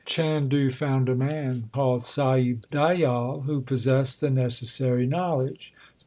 Chandu found a man called Sahib Diyal, who possessed the necessary knowledge.